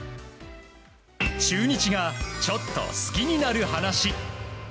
中日がちょっと好きになる話。